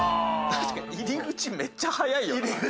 確かに入り口めっちゃ早いよね。